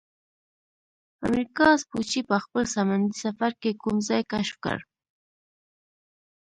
امریکا سپوچي په خپل سمندي سفر کې کوم ځای کشف کړ؟